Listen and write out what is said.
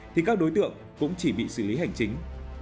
thì các đối tượng cũng chỉ bị xử lý hành chính